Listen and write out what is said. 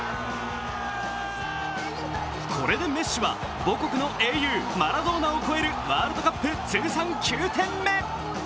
これでメッシは母国の英雄マラドーナを超えるワールドカップ通算９点目。